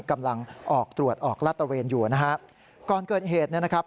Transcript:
กำลังออกตรวจออกลาดตระเวนอยู่นะฮะก่อนเกิดเหตุเนี่ยนะครับ